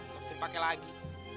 gak usah pake lagi